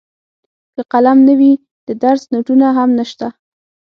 که قلم نه وي د درس نوټونه هم نشته.